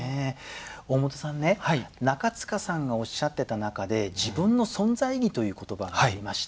大本さんね中塚さんがおっしゃってた中で自分の存在意義という言葉がありました。